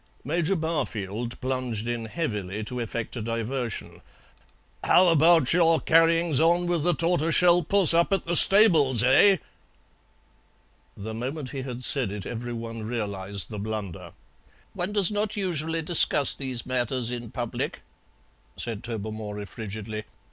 Major Barfield plunged in heavily to effect a diversion. "How about your carryings on with the tortoiseshell puss up at the stables, eh?" The moment he had said it every one realized the blunder. "One does not usually discuss these matters in public," said Tobermory frigidly.